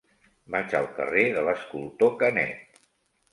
Vaig al carrer de l'Escultor Canet.